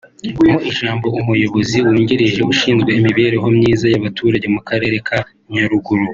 Mu ijambo umuyobozi wungirije ushinzwe imibereho myiza y’abaturage mu karere ka Nyaruguru